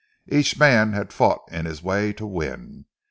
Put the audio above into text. Each man had fought in his way to win.